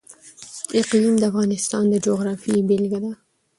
اقلیم د افغانستان د جغرافیې بېلګه ده.